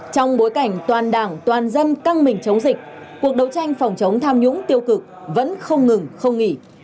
trong bối cảnh toàn đảng toàn dân căng mình chống dịch cuộc đấu tranh phòng chống tham nhũng tiêu cực vẫn không ngừng không nghỉ